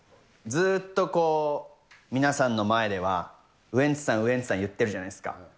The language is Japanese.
ずっとこう、皆さんの前ではウエンツさん、ウエンツさん言ってるじゃないですか。